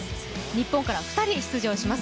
日本から２人出場します。